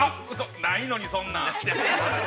◆ないのに、そんなん。